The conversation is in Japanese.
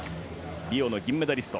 リオの銀メダリスト。